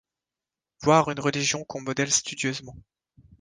Voire une religion qu'on modèle studieusement.